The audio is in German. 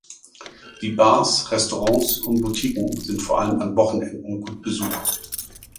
Die Bars, Restaurants und Boutiquen sind vor allem an Wochenenden gut besucht.